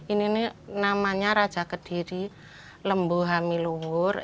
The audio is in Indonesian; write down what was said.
ini namanya raja kediri lembu hamilungur